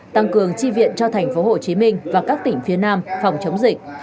tăng cường chi viện cho thành phố hồ chí minh và các tỉnh phía nam phòng chống dịch